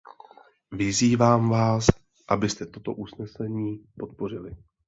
Vyzývám vás, abyste toto usnesení podpořili.